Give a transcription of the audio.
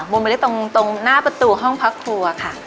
มุมเล็กตรงหน้าประตูห้องพักครูค่ะ